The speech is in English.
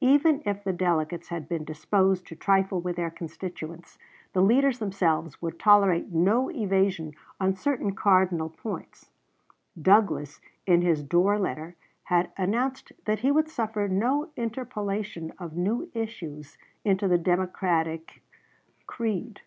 Even if the delegates had been disposed to trifle with their constituents, the leaders themselves would tolerate no evasion on certain cardinal points. Douglas, in his Dorr letter, had announced that he would suffer no interpolation of new issues into the Democratic creed.